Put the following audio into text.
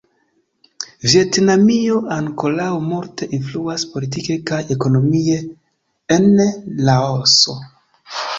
Vjetnamio ankoraŭ multe influas politike kaj ekonomie en Laoso.